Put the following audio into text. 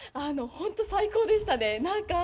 本当最高でしたね。